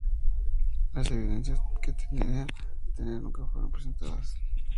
Las evidencias que decía tener nunca fueron presentadas.